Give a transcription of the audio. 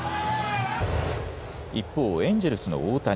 一方、エンジェルスの大谷。